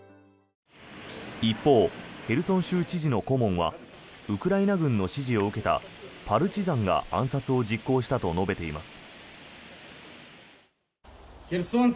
一方、ヘルソン州知事の顧問はウクライナ軍の指示を受けたパルチザンが暗殺を実行したと述べています。